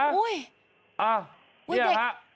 อ้าวนี่ค่ะ